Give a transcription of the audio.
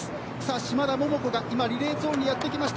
嶋田桃子が今リレーゾーンへやってきました。